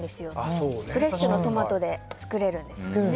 フレッシュなトマトで作れるんですよね。